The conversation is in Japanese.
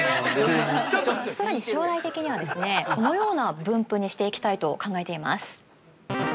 ◆さらに将来的にはですね、このような分布にしていきたいと考えています。